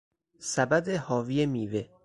سبد حاوی میوه